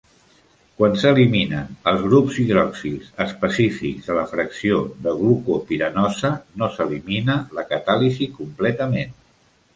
Quan s'eliminen els grups hidroxils específics de la fracció de glucopiranosa no s'elimina la catàlisi completament.